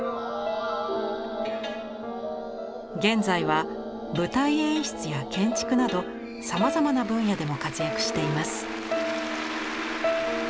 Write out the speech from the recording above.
現在は舞台演出や建築などさまざまな分野でも活躍しています。